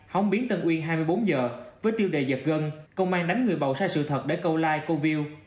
hống biến tân uy hai mươi bốn h với tiêu đề giật gân công an đánh người bầu sai sự thật để câu like câu view